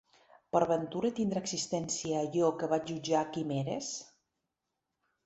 Per ventura tindrà existència allò que vaig jutjar quimeres?